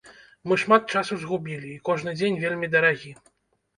Мы шмат часу згубілі, і кожны дзень вельмі дарагі.